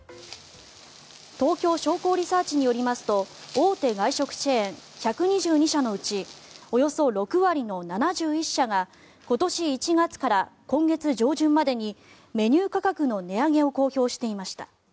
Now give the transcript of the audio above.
東京商工リサーチによりますと大手外食チェーン１２２社のうちおよそ６割の７１社が今年１月から今月上旬までにメニュー価格の値上げを公表していました。